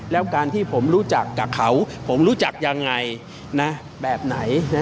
แล้วการที่ผมรู้จักกับเขาผมรู้จักยังไงแบบไหน